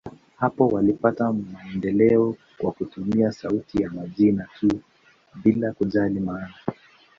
Hapo walipata maendeleo kwa kutumia sauti ya majina tu, bila kujali maana.